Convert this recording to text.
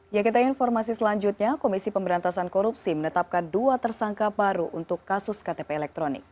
ya kita informasi selanjutnya komisi pemberantasan korupsi menetapkan dua tersangka baru untuk kasus ktp elektronik